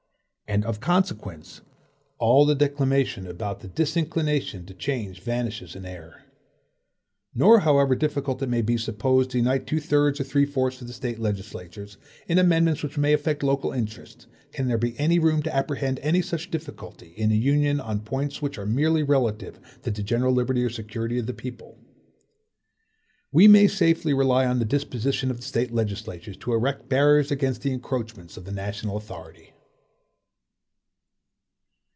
And of consequence, all the declamation about the disinclination to a change vanishes in air. Nor however difficult it may be supposed to unite two thirds or three fourths of the State legislatures, in amendments which may affect local interests, can there be any room to apprehend any such difficulty in a union on points which are merely relative to the general liberty or security of the people. We may safely rely on the disposition of the State legislatures to erect barriers against the encroachments of the national authority.